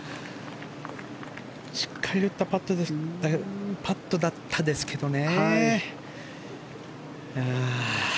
しっかり打ったパットだったですけどね。